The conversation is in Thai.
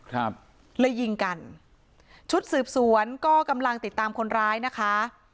ครับเลยยิงกันชุดสืบสวนก็กำลังติดตามคนร้ายนะคะ